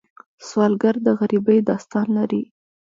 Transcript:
سوالګر د غریبۍ داستان لري